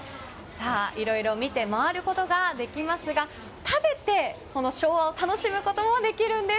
いろいろ見て回ることができますが食べて、昭和を楽しむこともできるんです。